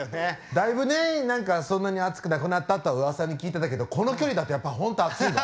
だいぶね何かそんなに暑くなくなったってうわさに聞いてたけどこの距離だとやっぱ本当暑いわ。